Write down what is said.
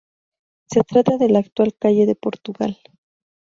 Se trata de la actual calle de Portugal.